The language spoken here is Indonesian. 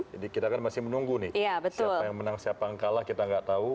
jadi kita kan masih menunggu nih siapa yang menang siapa yang kalah kita nggak tahu